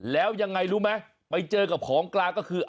แล้วยังไงรู้ไหมไปเจอกับของกลางก็คือ